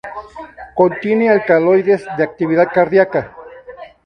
Contienen alcaloides de actividad cardíaca.